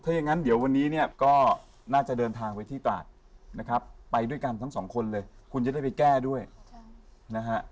ถ้าอย่างนั้นเดี๋ยววันนี้เนี่ยก็น่าจะเดินทางไปที่ตราดนะครับไปด้วยกันทั้งสองคนเลยคุณจะได้ไปแก้ด้วยนะฮะ